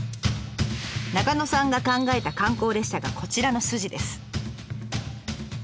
中野さんが考えた観光列車がこちらのスジです。